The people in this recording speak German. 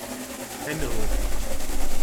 Hände hoch!